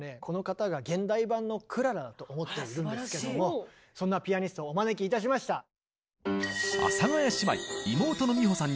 この方が現代版のクララだと思っているんですけどもそんなピアニストをお招きいたしました。